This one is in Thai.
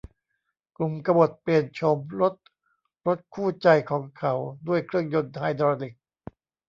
กลุ่มกบฏเปลี่ยนโฉมรถรถคู่ใจของเขาด้วยเครื่องยนต์ไฮดรอลิค